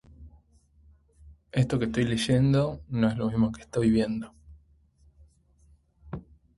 Ambas innovaciones siendo consideradas como las más importantes jamás hechas en el sector náutico.